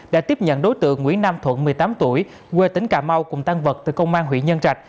đã tiếp nhận đối tượng nguyễn nam thuận một mươi tám tuổi quê tỉnh cà mau cùng tăng vật từ công an huyện nhân trạch